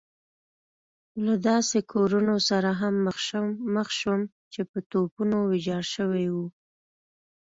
له داسې کورونو سره هم مخ شوم چې په توپو ويجاړ شوي وو.